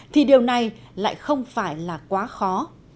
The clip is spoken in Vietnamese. thì điều này lại không phải là quá khó